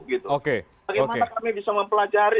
bagaimana kami bisa mempelajari